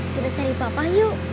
kita cari papa yuk